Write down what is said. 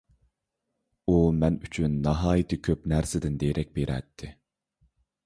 ئۇ مەن ئۈچۈن ناھايىتى كۆپ نەرسىدىن دېرەك بېرەتتى.